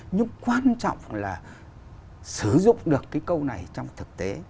nhưng quan trọng là sử dụng được cái câu này trong thực tế